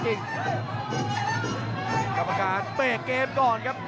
กรรมการเปลี่ยนเกมก่อนครับ